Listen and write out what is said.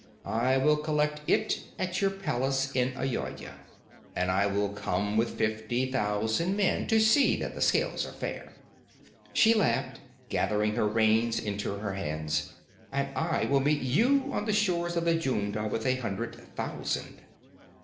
'I will collect it in your palace at Ayodhya, and I will come with fifty thousand men to see that the scales are fair.' She laughed, gathering her reins into her hands. 'And I will meet you on the shores of the Jhumda with a hundred thousand!'